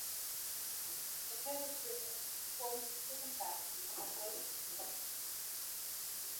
The "Herbert River" forms the southern boundary and most of the western.